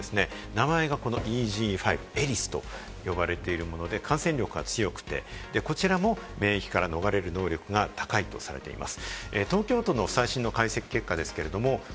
名前がＥＧ．５「エリス」と呼ばれているもので感染力が強くて、こちらも免疫から逃れる能力が高いとされています。